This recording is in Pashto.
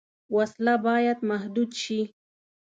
وسله باید محدود شي